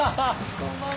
こんばんは。